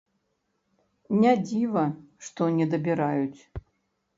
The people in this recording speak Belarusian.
Не дзіва, што недабіраюць.